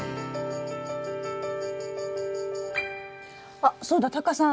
あそうだタカさん！